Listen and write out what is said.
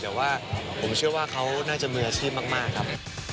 แต่ว่าผมเชื่อว่าเขาน่าจะมีอาชีพมากครับ